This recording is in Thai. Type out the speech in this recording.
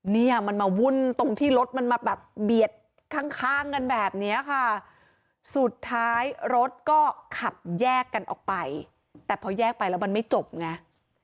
เนี่ยมันมาวุ่นตรงที่รถมันมาแบบเบียดข้างข้างกันแบบนี้ค่ะสุดท้ายรถก็ขับแยกกันออกไปแต่พอแยกไปแล้วมันไม่จบไง